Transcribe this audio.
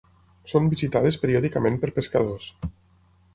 Són visitades periòdicament per pescadors.